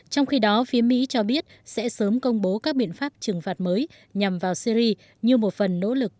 trong khi đó phía mỹ cho biết sẽ sớm công bố các biện pháp trừng phạt mới nhằm vào syri như một phần nỗ lực